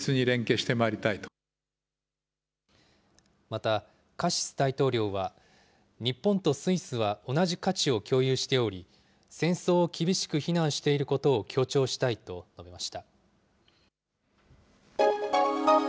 また、カシス大統領は、日本とスイスは同じ価値を共有しており、戦争を厳しく非難していることを強調したいと述べました。